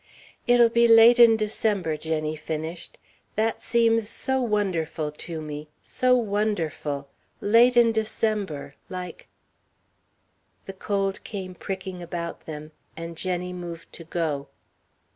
"It'll be late in December," Jenny finished. "That seems so wonderful to me so wonderful. Late in December, like " The cold came pricking about them, and Jenny moved to go.